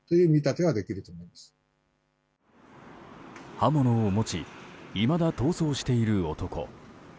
刃物を持ちいまだ逃走している男。